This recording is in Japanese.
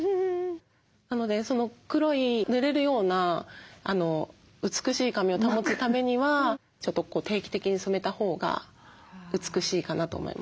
なのでその黒いぬれるような美しい髪を保つためには定期的に染めたほうが美しいかなと思います。